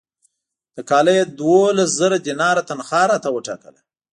د کاله یې دوولس زره دیناره تنخوا راته وټاکله.